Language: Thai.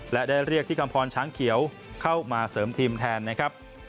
และได้เรียกที่กัมพรช้างเขียวเข้ามาเสริมทีมแทนนะครับ